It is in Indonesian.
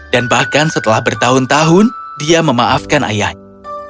dan bahkan setelah bertahun tahun dia memaafkan ayahnya